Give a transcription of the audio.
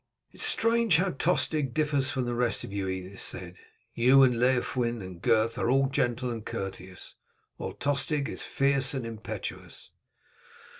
"It is strange how Tostig differs from the rest of you," Edith said. "You and Leofwyn, and Gurth are all gentle and courteous, while Tostig is fierce and impetuous."